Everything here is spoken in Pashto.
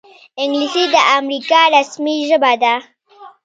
انګلیسي د امریکا رسمي ژبه ده